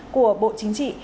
của bộ chính trị